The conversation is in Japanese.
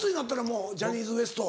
もうジャニーズＷＥＳＴ。